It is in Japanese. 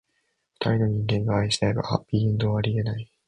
二人の人間が愛し合えば、ハッピーエンドはありえない。